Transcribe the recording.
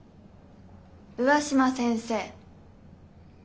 上嶋先生。